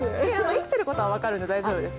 生きていることは分かるので、大丈夫です。